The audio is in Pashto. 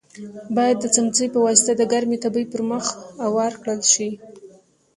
باید د څمڅۍ په واسطه د ګرمې تبۍ پر مخ اوار کړل شي.